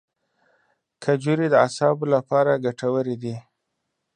کجورې د اعصابو لپاره ګټورې دي.